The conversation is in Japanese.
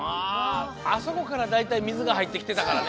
あそこからだいたいみずがはいってきてたからね。